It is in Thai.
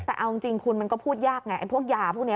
แต่เอาจริงคุณมันก็พูดยากไงไอ้พวกยาพวกนี้